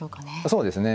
そうですね。